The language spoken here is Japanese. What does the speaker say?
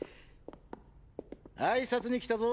挨拶に来たぞ。